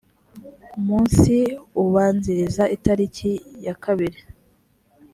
munsi ubanziriza itariki ya kabiri